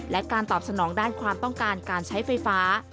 และการตอบสนองด้านความต้องการการใช้ไฟฟ้า